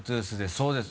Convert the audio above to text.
「そうです」